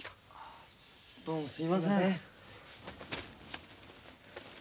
どうもすいません。